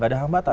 gak ada hambatan